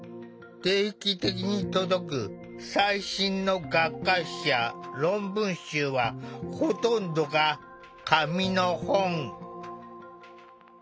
定期的に届く最新の学会誌や論文集はほとんどが「紙の本」。